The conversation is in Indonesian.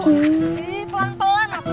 iiih pelan pelan atuh